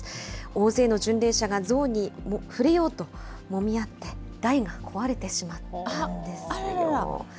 大勢の巡礼者が像に触れようと、もみ合って、台が壊れてしまったんですよ。